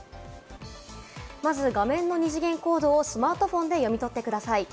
まず画面の二次元コードをスマートフォンで読み取ってください。